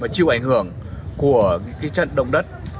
chịu ảnh hưởng của trận đồng đất